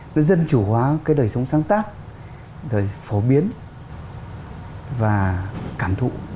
nó dân chủ hóa cái đời sống sáng tác đời phổ biến và cảm thụ